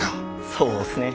そうっすね。